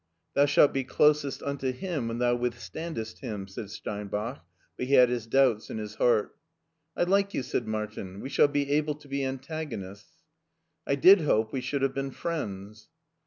"* Thou shalt be closest unto him when thou with standest him,' " said Steinbach, but he had his doubts in his heart. " I like you," said Martin ;" we shall be able to be antagonists." I did hope we should have been friends."